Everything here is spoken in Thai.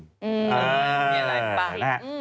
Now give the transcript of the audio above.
อ๋อมีอะไรปะ